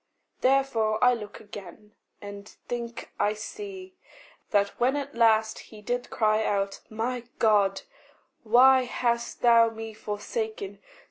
Therefore I look again and think I see That, when at last he did cry out, "My God, Why hast thou me forsaken?"